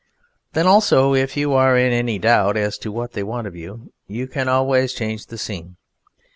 Then also if you are in any doubt as to what they want of you, you can always change the scene.